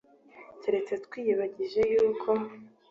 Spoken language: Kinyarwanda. keretse twiyibagije yuko,